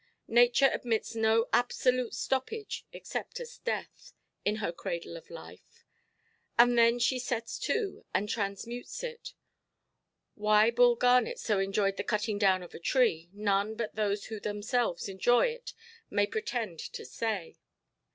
Nature admits no absolute stoppage, except as death, in her cradle of life; and then she sets to, and transmutes it. Why Bull Garnet so enjoyed the cutting down of a tree, none but those who themselves enjoy it may pretend to say.